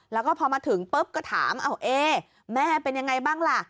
แล้วก็พอมาถึงปุ๊บก็ถามเอาเอ๊แม่เป็นยังไงบ้างล่ะ